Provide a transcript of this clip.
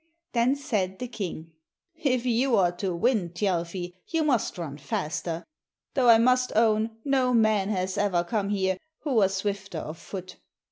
Then said the king "If you are to win, Thjalfi, you must run faster, though I must own no man has ever come here who was swifter of foot."